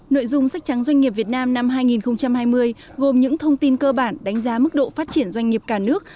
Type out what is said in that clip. nội dung sách trắng doanh nghiệp việt nam năm hai nghìn hai mươi gồm những thông tin cơ bản đánh giá mức độ phát triển doanh nghiệp cả nước